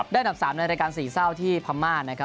ด้านดับ๓ในรายการศรีเศร้าที่พม่า